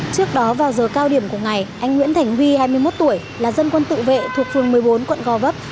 trước đó vào giờ cao điểm của ngày anh nguyễn thành huy hai mươi một tuổi là dân quân tự vệ thuộc phường một mươi bốn quận gò vấp